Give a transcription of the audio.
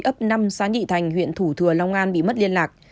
ấp năm xã nhị thành huyện thủ thừa long an bị mất liên lạc